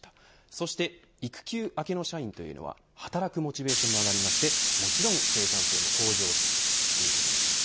そして育休明けの社員というのは働くモチベーションも上がりまして、もちろん生産性も向上したということなんです。